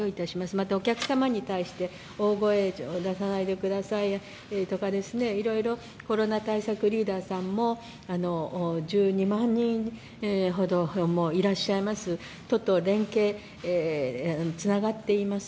また、お客様に対して大声を出さないでくださいとかいろいろコロナ対策リーダーさんも１２万人ほどいらっしゃいます、都と連携、つながっています。